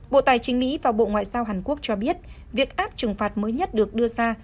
bộ tài chính mỹ và bộ ngoại giao hàn quốc cho biết việc áp trừng phạt mới nhất được đưa ra